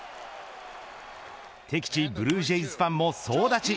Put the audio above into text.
敵地ブルージェイズファンも総立ち。